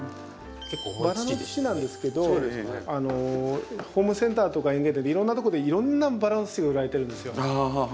バラの土なんですけどホームセンターとか園芸店でいろんなとこでいろんなバラの土が売られてるんですよ。